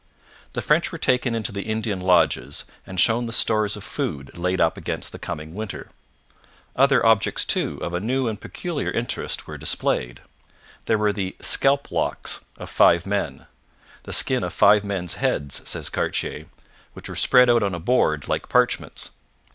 The French were taken into the Indian lodges and shown the stores of food laid up against the coming winter. Other objects, too, of a new and peculiar interest were displayed: there were the 'scalp locks' of five men 'the skin of five men's heads,' says Cartier, which were spread out on a board like parchments.